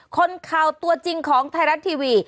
คนข่าวตัวจริงของไทยรัฐทีวี